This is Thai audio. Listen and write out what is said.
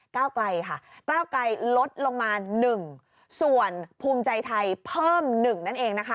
ไกลค่ะก้าวไกลลดลงมา๑ส่วนภูมิใจไทยเพิ่ม๑นั่นเองนะคะ